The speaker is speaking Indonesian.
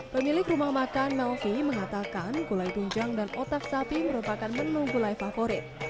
pemilik rumah makan melvi mengatakan gulai tunjang dan otak sapi merupakan menu gulai favorit